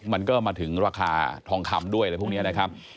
มันก็มาถึงราคาทองคำด้วยอะไรพวกนี้นะครับ